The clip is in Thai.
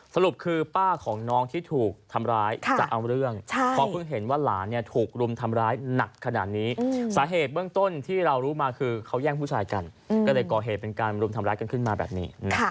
สรุปคือป้าของน้องที่ถูกทำร้ายจะเอาเรื่องเพราะเพิ่งเห็นว่าหลานถูกรุมทำร้ายหนักขนาดนี้สาเหตุเบื้องต้นที่เรารู้มาคือเขาแย่งผู้ชายกันก็เลยก่อเหตุเป็นการรุมทำร้ายกันขึ้นมาแบบนี้